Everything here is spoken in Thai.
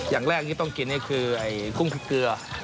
อย่างแรกที่ต้องกินนี่คือกุ้งพริกเกลือ